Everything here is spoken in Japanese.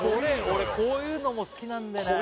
俺こういうのも好きなんだよね